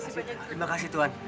terima kasih tuhan